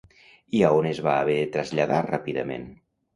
I a on es va haver de traslladar ràpidament?